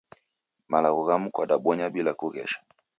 Malagho ghamu kwadabonya bila kughesha